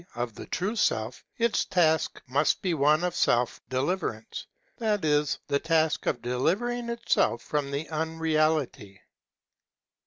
of the True Self, its task must be one of self deliverance, that is, the task of delivering itself from the unreality.